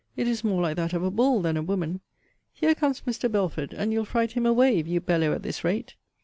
It is more like that of a bull than a woman! Here comes Mr. Belford; and you'll fright him away if you bellow at this rate.